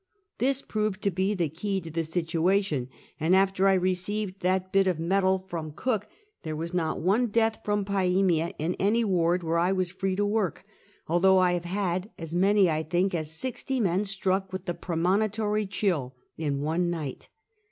This proved to be the key to the situation, and after I received that bit of metal from cook, there was not one death from piemia in any ward where I was free to work, although I have liad as many, I think, as sixty men struck with the premonitary chill, in one night.